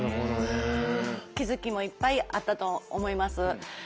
気づきもいっぱいあったと思います。